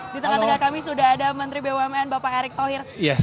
di tengah tengah kami sudah ada menteri bumn bapak erick thohir